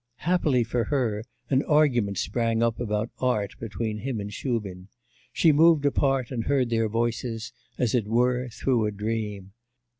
Happily for her, an argument sprang up about art between him and Shubin; she moved apart and heard their voices as it were through a dream.